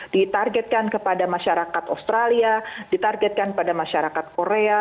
ditargetkan kepada masyarakat australia ditargetkan pada masyarakat korea